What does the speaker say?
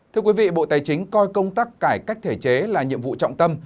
thưa quý vị bộ tài chính coi công tác cải cách thể chế là nhiệm vụ trọng tâm